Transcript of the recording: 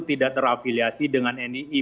tidak terafiliasi dengan nikw